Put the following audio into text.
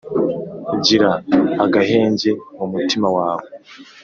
Gira agahenge mu mutima wawe